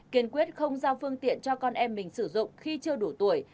kiên quyết không giao phương tiện cho con em mình sử dụng khi chưa đủ tuổi